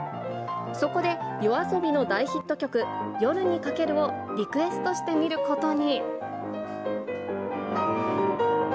そこで、ＹＯＡＳＯＢＩの大ヒット曲、夜に駆けるをリクエストしてみることに。